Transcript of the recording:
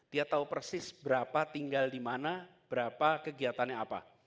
dia tahu persis berapa tinggal di mana berapa kegiatannya apa